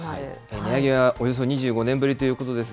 値上げはおよそ２５年ぶりということですが、